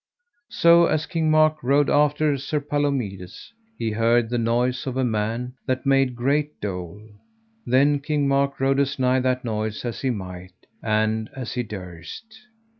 So as King Mark rode after Sir Palomides he heard the noise of a man that made great dole. Then King Mark rode as nigh that noise as he might and as he durst.